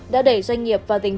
đã để doanh nghiệp và tài nghề